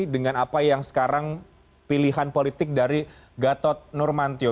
dengan apa yang sekarang pilihan politik dari gatot nurmantio